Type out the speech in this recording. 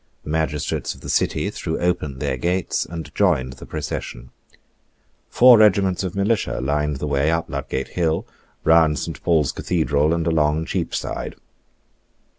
The magistrates of the City threw open their gates and joined the procession. Four regiments of militia lined the way up Ludgate Hill, round Saint Paul's Cathedral, and along Cheapside.